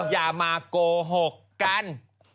อย่ามาโกหกกัน